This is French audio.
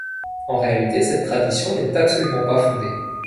En réalité, cette tradition n'est absolument pas fondée.